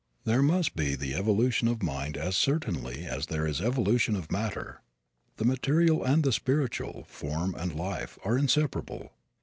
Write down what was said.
There must be the evolution of mind as certainly as there is evolution of matter. The material and the spiritual, form and life, are inseparable.